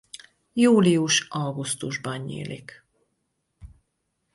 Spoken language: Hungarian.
Július-augusztusban nyílik.